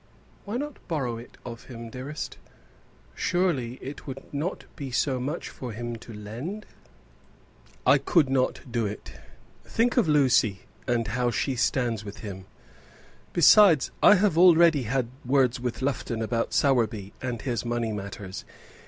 "Why not borrow it of him, dearest? Surely it would not be so much for him to lend." "I could not do it. Think of Lucy, and how she stands with him. Besides I have already had words with Lufton about Sowerby and his money matters.